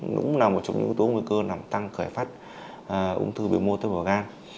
nó cũng là một trong những yếu tố nguy cơ nằm tăng khởi phát ung thư bị mô tư bởi gan